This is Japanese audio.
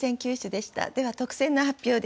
では特選の発表です。